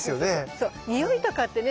そうにおいとかってね